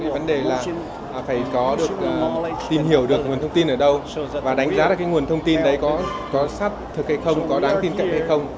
vấn đề là phải có tìm hiểu được nguồn thông tin ở đâu và đánh giá ra nguồn thông tin đấy có sát thực hay không có đáng tin cận hay không